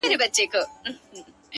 زما شاعري وخوړه زې وخوړم-